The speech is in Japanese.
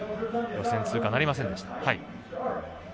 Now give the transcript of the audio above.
予選通過なりませんでした。